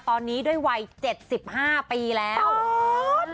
ตอนนี้ด้วยวัยเจ็ดสิบห้าปีแล้วเจอต๊อต